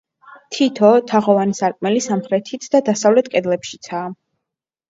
თითო, თაღოვანი სარკმელი სამხრეთით და დასავლეთ კედლებშიცაა.